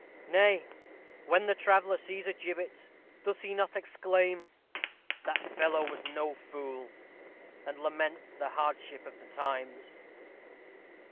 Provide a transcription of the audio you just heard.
Nay, when the traveller sees a gibbet, does he not exclaim, "That fellow was no fool!" and lament the hardship of the times?